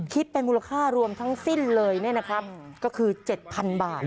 คิดเป็นมูลค่ารวมทั้งสิ้นเลยนี่นะครับก็คือเจ็ดพันบาท